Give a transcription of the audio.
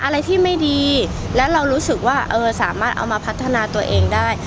อะไรที่ไม่ดีและเรารู้สึกว่าเออสามารถเอามาพัฒนาตัวเองได้